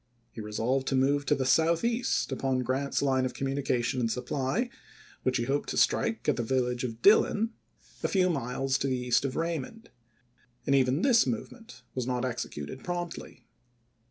He resolved to move to the southeast upon Grant's line of communication and supply, which he hoped to strike at the village of Dillon, a 186 ABEAHAM LINCOLN chap. vii. f ew miles to the east of Eaymond ; and even this movement was not executed promptly.